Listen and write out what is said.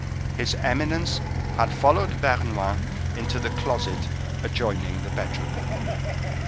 His eminence had followed Bernouin into the closet adjoining the bedroom.